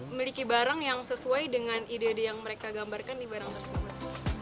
memiliki barang yang sesuai dengan ide ide yang mereka gambarkan di barang tersebut